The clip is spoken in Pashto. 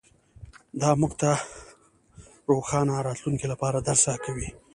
دا موږ ته د روښانه راتلونکي لپاره درس راکوي